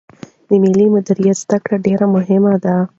د مالي مدیریت زده کړه ډېره مهمه ده.